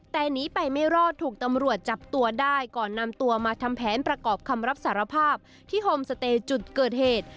แต่หนีไปไม่รอดถูกตำรวจจับตัวได้ก่อนนำตัวมาทำแผนประกอบคำรับสารภาพที่โฮมสเตย์จุดเกิดเหตุ